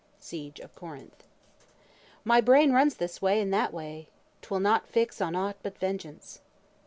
SIEGE OF CORINTH. "My brain runs this way and that way; 'twill not fix On aught but vengeance."